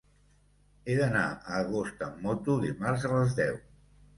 He d'anar a Agost amb moto dimarts a les deu.